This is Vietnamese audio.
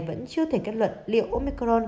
vẫn chưa thể kết luận liệu omicron